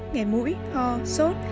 nghè mũi ho sốt